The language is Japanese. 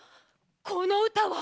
このうたは。